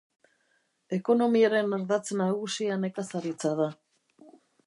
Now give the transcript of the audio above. Ekonomiaren ardatz nagusia nekazaritza da.